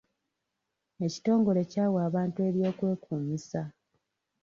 Ekitongole kyawa abantu eby'okwekuumisa.